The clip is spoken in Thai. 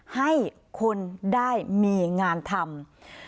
ให้คนได้มีงานทำ